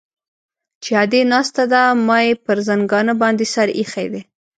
چې ادې ناسته ده ما يې پر زنګانه باندې سر ايښى دى.